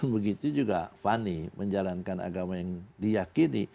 begitu juga fani menjalankan agama yang diyakini